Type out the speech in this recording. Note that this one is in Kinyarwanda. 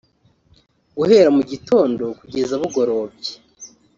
Guhera mugitondo kugeza bugorobye